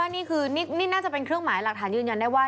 นี่คือนี่น่าจะเป็นเครื่องหมายหลักฐานยืนยันได้ว่า